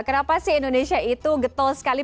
kenapa sih indonesia itu getol sekali